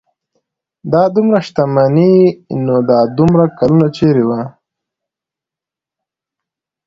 دا دومره شتمني نو دا دومره کلونه چېرې وه.